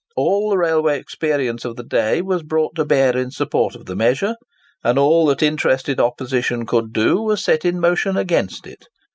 All the railway experience of the day was brought to bear in support of the measure, and all that interested opposition could do was set in motion against it.